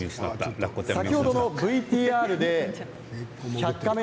先ほどのＶＴＲで「１００カメ」